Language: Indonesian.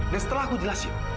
dan setelah aku jelasin